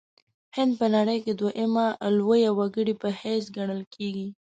هند په نړۍ کې دویمه لویه وګړې په حیث ګڼل کیږي.